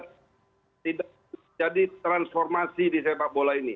tidak jadi transformasi di sepak bola ini